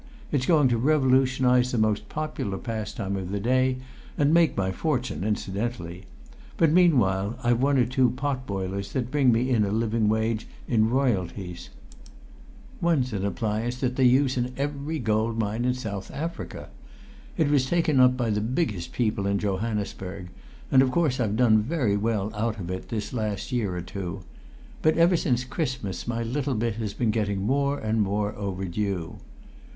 It's going to revolutionise the most popular pastime of the day, and make my fortune incidentally; but meanwhile I've one or two pot boilers that bring me in a living wage in royalties. One's an appliance they use in every gold mine in South Africa. It was taken up by the biggest people in Johannesburg, and of course I've done very well out of it, this last year or two; but ever since Christmas my little bit has been getting more and more overdue.